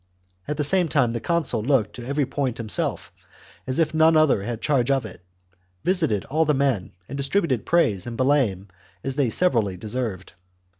At the same time the consul looked to every point himself, as if none other had charge of it ; visited all the men, and distributed praise and blame as they were severally deserved.